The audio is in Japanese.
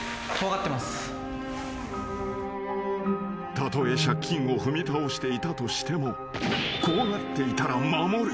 ［たとえ借金を踏み倒していたとしても怖がっていたら守る。